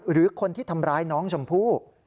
หรือคนที่ทำร้ายน้องชมพู่